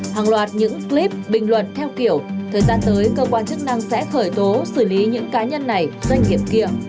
hàng loạt những clip bình luận theo kiểu thời gian tới cơ quan chức năng sẽ khởi tố xử lý những cá nhân này doanh nghiệp kia